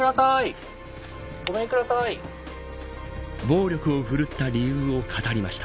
暴力を振るった理由を語りました。